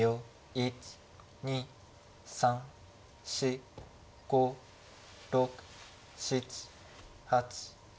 １２３４５６７８。